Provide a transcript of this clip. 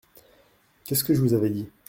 Qu’est-ce que je vous avais dit !